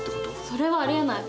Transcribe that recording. それはありえない。